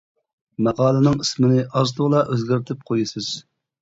ماقالىنىڭ ئىسمىنى ئاز تولا ئۆزگەرتىپ قويىسىز.